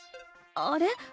あれ？